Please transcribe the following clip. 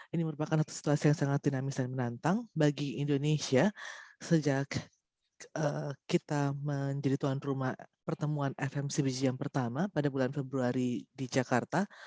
ini merupakan satu situasi yang sangat dinamis dan menantang bagi indonesia sejak kita menjadi tuan rumah pertemuan fmcbg yang pertama pada bulan februari di jakarta